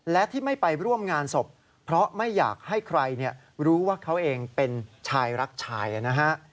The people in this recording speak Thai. และที่ไม่ไปร่วมงานศพเพราะไม่อยากให้ใครรู้ว่าเขาเองเป็นชายรักชายนะฮะ